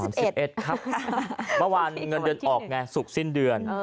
เมื่อวานเงินเดือนออกไงศุกร์สิ้นเดือน